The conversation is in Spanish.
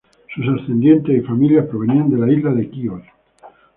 Sus ascendientes y familia provenía de la isla de Quíos.